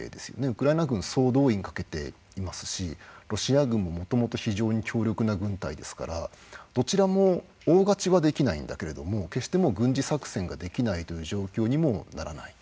ウクライナ軍総動員かけていますしロシア軍ももともと非常に強力な軍隊ですからどちらも大勝ちはできないんだけれども決してもう軍事作戦ができないという状況にもならない。